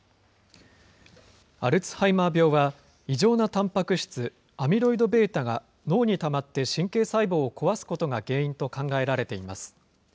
アルツハイマー病は、異常なたんぱく質、アミロイドβが脳にたまって神経細胞を壊すことが原因と考えられています。